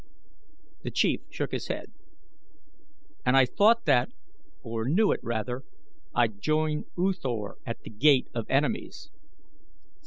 The chief shook his head. "And I thought that, or knew it, rather; I'd join U Thor at The Gate of Enemies."